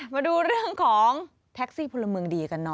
มาดูเรื่องของแท็กซี่พลเมืองดีกันหน่อย